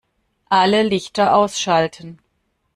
Alle Lichter ausschalten